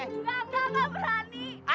enggak enggak berani